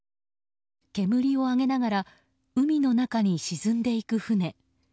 煙を上げながら海の中に沈んでいく船。